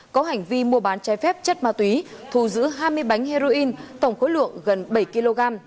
có hành vi mua bán trái phép chất ma túy thù giữ hai mươi bánh heroin tổng khối lượng gần bảy kg